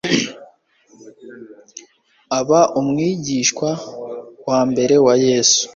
aba umwigishwa wa mbere wa yesu